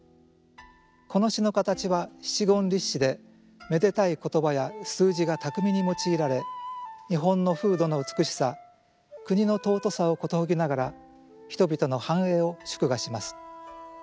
この詩の形は七言律詩でめでたい言葉や数字が巧みに用いられ日本の風土の美しさ国の尊さをことほぎながら人々の繁栄を祝賀します。